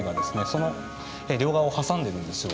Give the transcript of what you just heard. その両側を挟んでるんですよ。